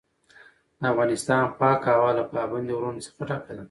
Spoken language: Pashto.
د افغانستان پاکه هوا له پابندي غرونو څخه ډکه ده.